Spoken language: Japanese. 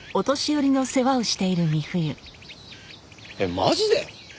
えっマジで！？